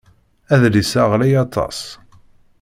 Adlis-a ɣlay aṭas.